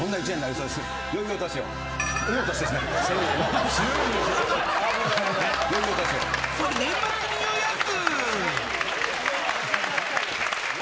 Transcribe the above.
それ、年末に言うやつ！